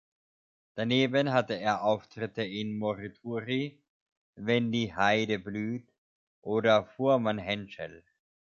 Daneben hatte er Auftritte in "Morituri", "Wenn die Heide blüht" oder "Fuhrmann Henschel".